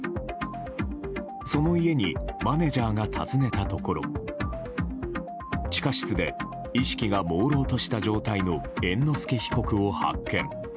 その家にマネジャーが訪ねたところ地下室で意識がもうろうとした状態の猿之助被告を発見。